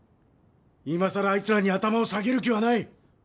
今さらあいつらに頭を下げる気はない！